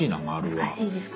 難しいですか？